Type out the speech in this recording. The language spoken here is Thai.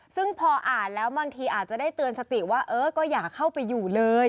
ซึ่งพออ่านแล้วบางทีอาจจะได้เตือนสติว่าเออก็อย่าเข้าไปอยู่เลย